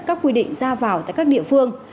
các quy định ra vào tại các địa phương